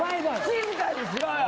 静かにしろよ！